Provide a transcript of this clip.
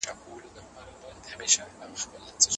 کار ټولنې ته عملي ارزښت لري.